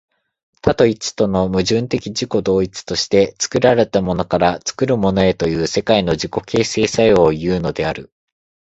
多と一との矛盾的自己同一として、作られたものから作るものへという世界の自己形成作用をいうのである。